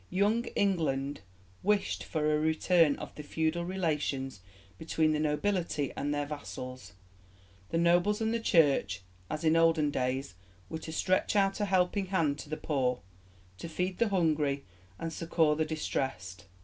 'Young England' wished for a return of the feudal relations between the nobility and their vassals; the nobles and the Church, as in olden days, were to stretch out a helping hand to the poor, to feed the hungry, and succour the distressed.